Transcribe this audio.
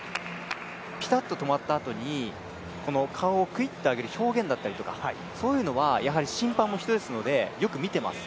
ピタッと止まったあとに顔をクイッと上げる表現だったりそういうのは、やはり審判も人ですので、よく見ています。